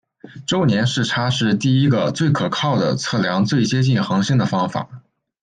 周年视差是第一个最可靠的测量最接近恒星的方法。